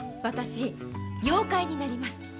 私妖怪になります。